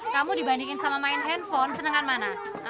kamu dibandingin sama main handphone senangan mana